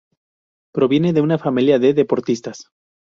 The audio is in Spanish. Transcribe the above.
Proviene de una familia de deportistas.